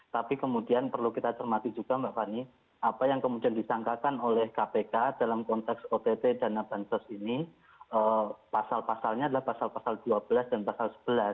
tapi kemudian perlu kita cermati juga mbak fani apa yang kemudian disangkakan oleh kpk dalam konteks ott dana bansos ini pasal pasalnya adalah pasal pasal dua belas dan pasal sebelas